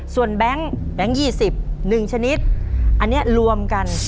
ส่วนแบงค์๒๐๑ชนิดอันนี้รวมกัน